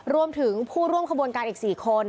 รวมถึงผู้ร่วมขบวนการอีก๔คน